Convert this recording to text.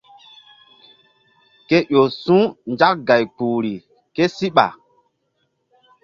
Ke ƴo su̧ nzak gay kpuhri késíɓa.